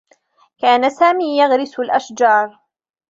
كان سامي يغرس الأشجار.